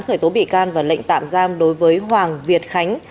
khởi tố bị can và lệnh tạm giam đối với hoàng việt khánh